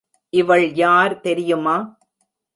இவள் யார் தெரியுமா?